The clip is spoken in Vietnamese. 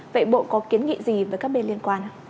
vậy bộ có kiến nghị gì với các bên liên quan ạ